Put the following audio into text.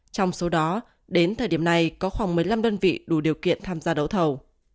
trong số đó đến thời điểm này có khoảng một mươi năm đơn vị đủ điều kiện tham gia đấu thầu